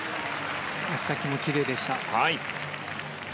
足先もきれいでした。